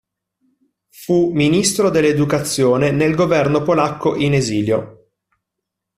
Fu ministro dell'educazione nel Governo polacco in esilio.